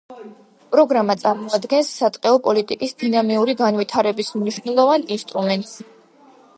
პროგრამა წარმოადგენს სატყეო პოლიტიკის დინამიური განვითარების მნიშვნელოვან ინსტრუმენტს.